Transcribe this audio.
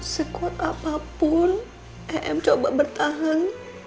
sekuat apapun em coba bertahan